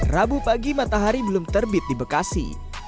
rabu pagi matahari belum terbit di bekasi